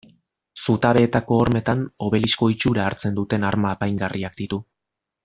Zutabeetako hormetan obelisko itxura hartzen duten arma apaingarriak ditu.